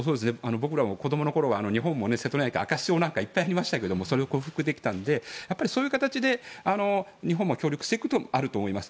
僕らも子どもの頃は瀬戸内海、赤潮とかいっぱいありましたけどそれを克服できたのでそういう形で日本も協力していくこともあると思います。